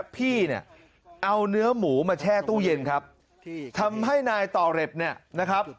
พี่เนี่ยเอาเนื้อหมูมาแช่ตู้เย็นครับทำให้นายต่อเร็จเนี่ยนะครับ